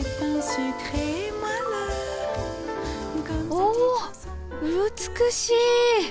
お美しい！